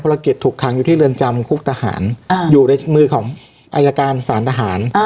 ละเกตถูกขังอยู่ที่เรือนจำคุกทหารอยู่ในมือของอายการสารทหาร